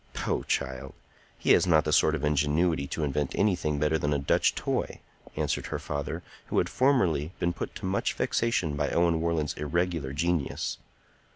"Poh, child! He has not the sort of ingenuity to invent anything better than a Dutch toy," answered her father, who had formerly been put to much vexation by Owen Warland's irregular genius.